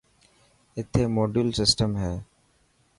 اٿي موڊيول سيٽم هي.